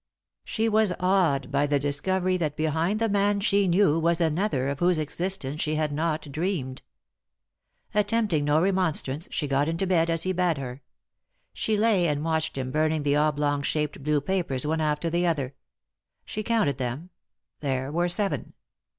She was awed by the discovery that behind the man she knew was another of whose existence she had not dreamed. Attempting no remonstrance, she got into bed, as he had bade her. She lay and watched him burning the oblong shaped blue papers one after the other. She counted them ; there were seven.